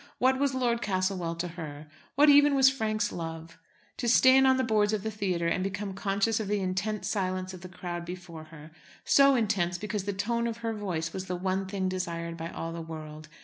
What was Lord Castlewell to her, what even was Frank's love? To stand on the boards of the theatre and become conscious of the intense silence of the crowd before her, so intense because the tone of her voice was the one thing desired by all the world.